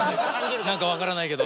何か分からないけど。